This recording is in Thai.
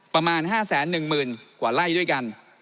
ประมาณ๕แสน๑หมื่นกว่าไล่ด้วยกัน